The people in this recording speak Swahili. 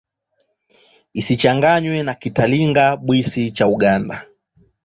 Isichanganywe na Kitalinga-Bwisi cha Uganda.